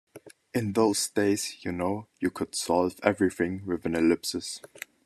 In those days, you know, you could solve everything with an ellipsis.